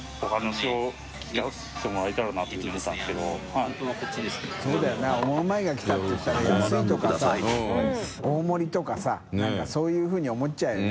修Δ世茲「オモウマい」が来たって言ったら造い箸大盛りとかさ。覆鵑そういうふうに思っちゃうよね。